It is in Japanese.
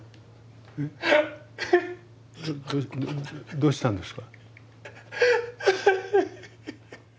どうしたんですか？